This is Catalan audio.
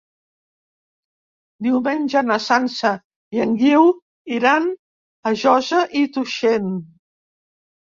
Diumenge na Sança i en Guiu iran a Josa i Tuixén.